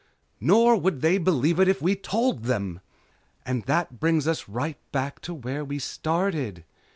"Nor would they believe it if we told them." "And that brings us right back to where we started.